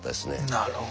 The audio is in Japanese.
なるほど。